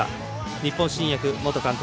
日本新薬元監督